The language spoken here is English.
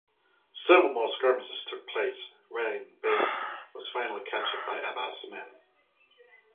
Several more skirmishes took place, wherein Ber was finally captured by Abas' men.